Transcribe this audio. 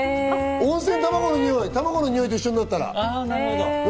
温泉たまごのにおいと一緒になった。